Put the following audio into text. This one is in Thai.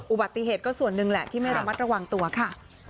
อุบัติเหตุก็ส่วนหนึ่งแหละที่ไม่ระมัดระวังตัวค่ะ